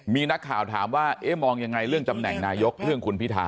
มีนักข่าวถามว่าเอ๊ะมองยังไงเรื่องตำแหน่งนายกเรื่องคุณพิธา